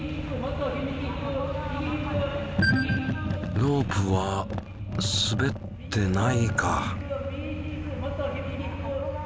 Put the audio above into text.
ロープはすべってないか。